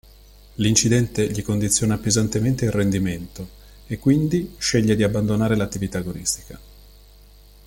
L'incidente gli condiziona pesantemente il rendimento e quindi sceglie di abbandonare l'attività` agonistica.